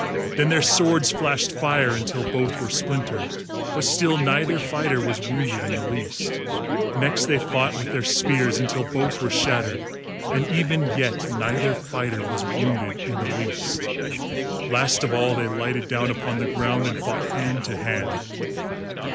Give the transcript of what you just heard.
Then their swords flashed fire until both were splintered, but still neither fighter was wounded in the least. Next they fought with their spears until both were shattered, and even yet neither fighter was wounded in the least. Last of all they lighted down upon the ground and fought hand to hand.